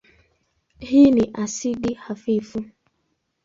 Hii ni asidi hafifu.